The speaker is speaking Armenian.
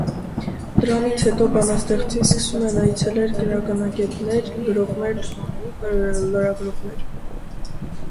Դրանից հետո բանաստեղծուն սկսում են այցելել գրականագետներ, գրողներ, լրագրողներ։